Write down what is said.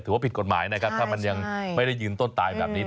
ว่าผิดกฎหมายนะครับถ้ามันยังไม่ได้ยืนต้นตายแบบนี้